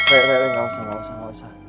rek rek rek gausah gausah gausah